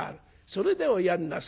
それでおやんなさい」。